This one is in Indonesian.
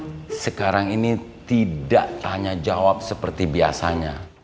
materi kuis sekarang ini tidak tanya jawab seperti biasanya